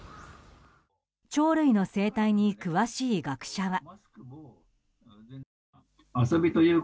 鳥類の生態に詳しい学者は。